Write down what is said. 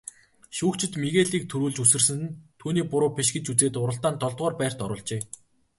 Шүүгчид Мигелийн түрүүлж үсэрсэн нь түүний буруу биш гэж үзээд уралдаанд долдугаарт байрт оруулжээ.